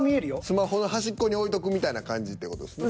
スマホの端っこに置いとくみたいな感じって事ですね。